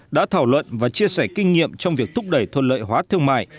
đã thảo luận và chia sẻ kinh nghiệm trong việc thúc đẩy thuận lợi hóa thương mại